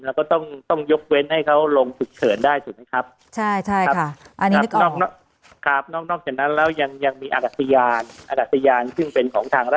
แล้วก็ต้องยกเว้นให้เขาลงฉุกเฉินได้ถูกไหมครับ